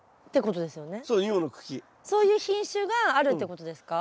そういう品種があるってことですか？